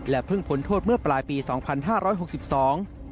เพิ่งพ้นโทษเมื่อปลายปีสองพันห้าร้อยหกสิบสอง